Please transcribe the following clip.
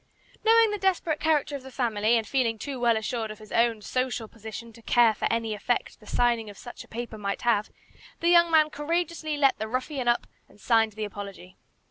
Knowing the desperate character of the family, and feeling too well assured of his own social position to care for any effect the signing of such a paper might have, the young man courageously let the ruffian up and signed the apology.